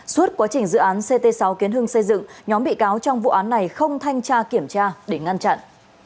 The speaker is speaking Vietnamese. suốt quá trình dự án ct sáu kiến hưng xây dựng nhóm bị cáo trong vụ án này không thanh tra kiểm tra để ngăn chặn